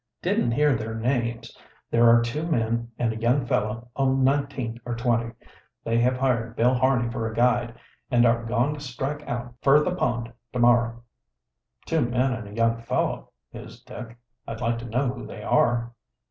"Didn't hear their names. There are two men and a young fellow o' nineteen or twenty. They have hired Bill Harney fer a guide, and are goin' to strike out fer the Pond to morrow." "Two men and a young fellow," mused Dick. "I'd like to know who they are."